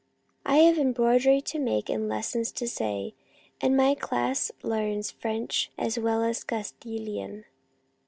I have embroidery to make, and lessons to say, and my class learns French as well as Castilian.